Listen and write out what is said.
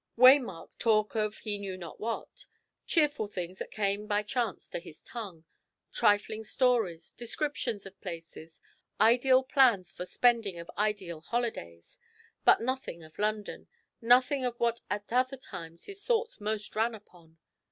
Waymark talked of he knew not what, cheerful things that came by chance to his tongue, trifling stories, descriptions of places, ideal plans for spending of ideal holidays; but nothing of London, nothing of what at other times his thoughts most ran upon.